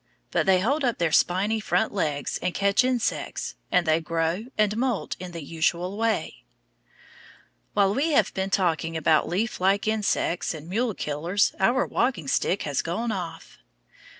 But they hold up their spiny front legs and catch insects, and they grow and moult in the usual way. While we have been talking about leaf like insects and mule killers our walking stick has gone off.